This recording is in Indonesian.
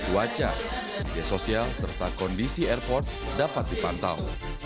cuaca media sosial serta kondisi airport dapat dipantau